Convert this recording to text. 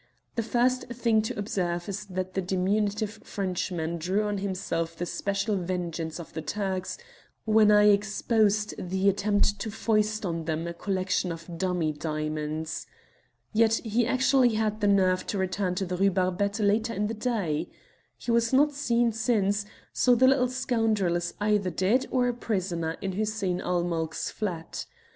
The first thing to observe is that the diminutive Frenchman drew on himself the special vengeance of the Turks when I exposed the attempt to foist on them a collection of dummy diamonds. Yet he actually had the nerve to return to the Rue Barbette later in the day. He has not been seen since, so the little scoundrel is either dead or a prisoner in Hussein ul Mulk's flat.